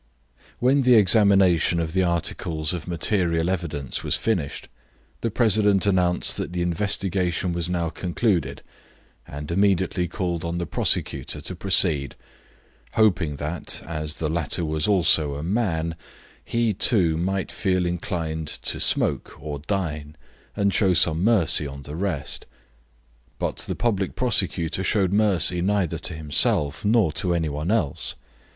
When the examination of the articles of material evidence was finished, the president announced that the investigation was now concluded and immediately called on the prosecutor to proceed, hoping that as the latter was also a man, he, too, might feel inclined to smoke or dine, and show some mercy on the rest. But the public prosecutor showed mercy neither to himself nor to any one else.